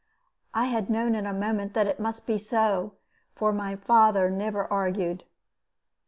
I had known in a moment that it must be so, for my father never argued.